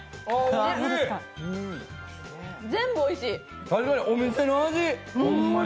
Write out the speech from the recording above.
お店の味！